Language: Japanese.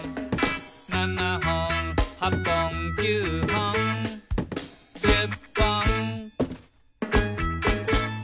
「７ほん８ぽん９ほん」「１０ぽん」